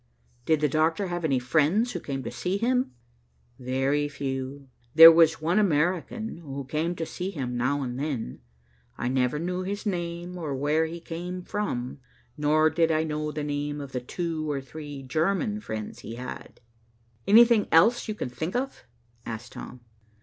"Did the doctor have any friends who came to see him?" "Very few. There was one American who came to see him now and then. I never knew his name or where he came from, nor did I know the name of the two or three German friends he had." "Anything else you think of?" asked Tom.